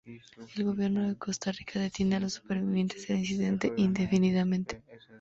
El gobierno de Costa Rica detiene a los supervivientes del incidente indefinidamente.